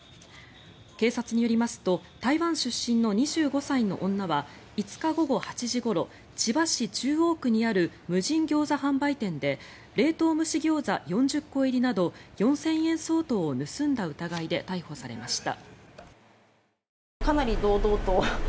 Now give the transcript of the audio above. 警察によりますと台湾出身の２５歳の女は５日午後８時ごろ千葉市中央区にある無人ギョーザ販売店で冷凍蒸しギョーザ４０個入りなど４０００円相当を盗んだ疑いで逮捕されました。